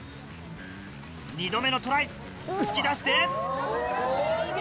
２度目のトライ突き出して。